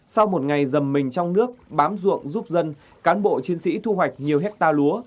sau một ngày dầm mình trong nước bám ruộng giúp dân cán bộ chiến sĩ thu hoạch nhiều hectare lúa